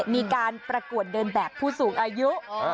มีการประกวดเดินแบบผู้สูงอายุ